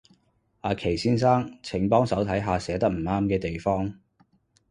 阿祁先生，請幫手睇下寫得唔啱嘅地方